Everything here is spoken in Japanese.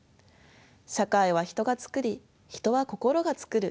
社会は人が作り人は心が作る。